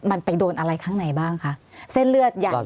มันไปโดนอะไรข้างในบ้างคะเส้นเลือดใหญ่